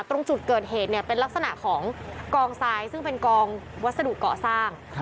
ตรงจุดเกิดเหตุเนี่ยเป็นลักษณะของกองทรายซึ่งเป็นกองวัสดุเกาะสร้าง